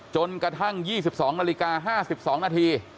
จนกระทั่ง๒๒นาฬิกา๕๒นาที